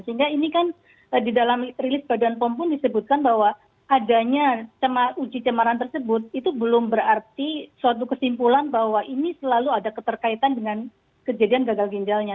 sehingga ini kan di dalam rilis badan pom pun disebutkan bahwa adanya uji cemaran tersebut itu belum berarti suatu kesimpulan bahwa ini selalu ada keterkaitan dengan kejadian gagal ginjalnya